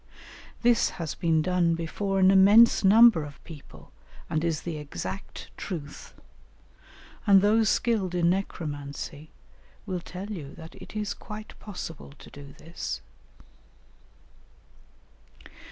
This has been done before an immense number of people, and is the exact truth; and those skilled in necromancy will tell you that it is quite possible to do this."